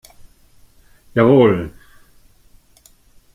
Jawohl!